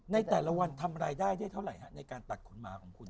ในแต่ละวันทำรายได้ได้เท่าไหร่ฮะในการตัดขนหมาของคุณ